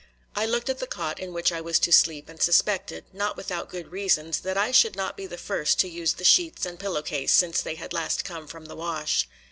I looked at the cot in which I was to sleep and suspected, not without good reasons, that I should not be the first to use the sheets and pillow case since they had last come from the wash.